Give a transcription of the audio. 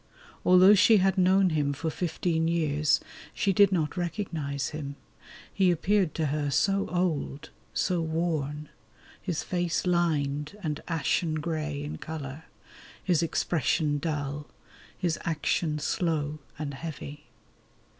Although she had known him for fifteen years she did not recognize him, he appeared to her so old, so worn, his face lined and ashen grey in colour, his expression dull, his action slow and heavy.